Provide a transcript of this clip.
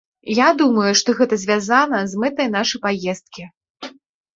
Я думаю, што гэта звязана з мэтай нашай паездкі.